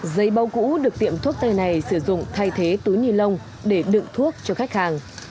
giấy bâu cũ được tiệm thuốc tay này sử dụng thay thế túi nilon để đựng thuốc cho khách hàng